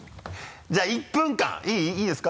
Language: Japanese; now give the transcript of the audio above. じゃあ１分間いい？いいですか？